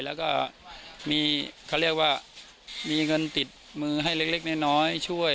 แล้วก็มีเขาเรียกว่ามีเงินติดมือให้เล็กน้อยช่วย